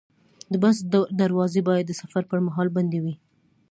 د بس دروازې باید د سفر پر مهال بندې وي.